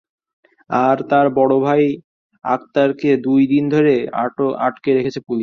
আর তার বড় ভাই আক্তারকে দুই দিন ধরে আটকে রেখেছে পুলিশ।